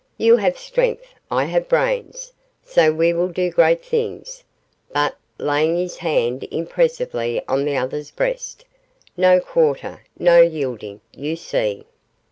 You have strength, I have brains; so we will do great things; but' laying his hand impressively on the other's breast 'no quarter, no yielding, you see!